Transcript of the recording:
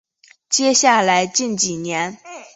接下来近几年